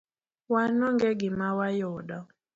wan onge gima wayudo.